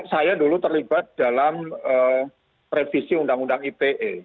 saya dulu terlibat dalam revisi undang undang ite